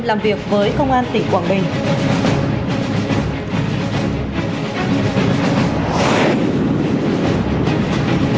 làm việc với công an tỉnh quảng bình